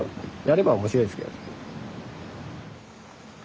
やれば面白いですけどね。